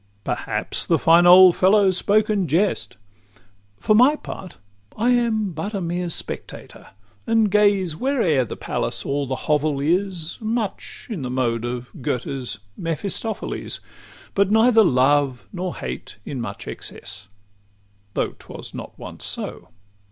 Perhaps the fine old fellow spoke in jest: For my part, I am but a mere spectator, And gaze where'er the palace or the hovel is, Much in the mode of Goethe's Mephistopheles; VIII But neither love nor hate in much excess; Though 't was not once so.